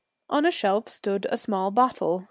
On a shelf stood a small bottle.